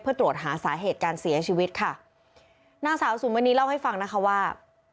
เพื่อตรวจหาสาเหตุการเสียชีวิตค่ะนางสาวสุมณีเล่าให้ฟังนะคะว่า